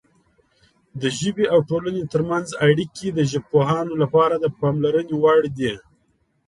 د ژبې او ټولنې ترمنځ اړیکې د ژبپوهانو لپاره د پاملرنې وړ دي.